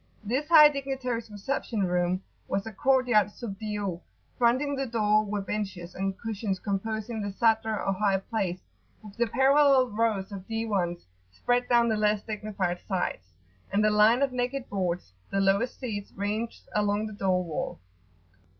This high dignitary's reception room was a court yard sub dio: fronting the door were benches and cushions composing the Sadr or high place, with the parallel rows of Diwans spread down the less dignified sides, and a line of naked boards, the lowest seats, ranged along the door wall.